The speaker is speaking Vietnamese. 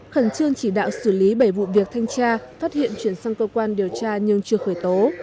khẩn trương chỉ đạo xử lý bảy vụ việc thanh tra phát hiện chuyển sang cơ quan điều tra nhưng chưa khởi tố